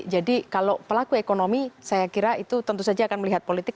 jadi kalau pelaku ekonomi saya kira itu tentu saja akan melihat politik